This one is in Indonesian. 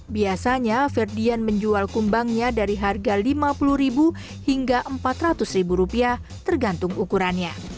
biasanya ferdian menjual kumbangnya dari harga rp lima puluh hingga rp empat ratus tergantung ukurannya